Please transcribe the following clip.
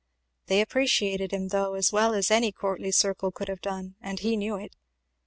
They appreciated him though, as well as any courtly circle could have done, and he knew it.